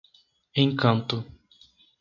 Encanto